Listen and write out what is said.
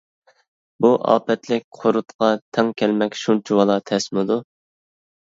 بۇ ئاپەتلىك قۇرۇتقا تەڭ كەلمەك شۇنچىۋالا تەسمىدۇ؟ .